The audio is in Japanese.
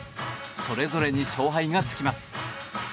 それぞれに勝敗がつきます。